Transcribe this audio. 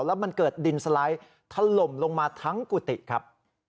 แล้วมันเกิดดินสไลด์ถล่มลงมาทั้งกุฏิครับ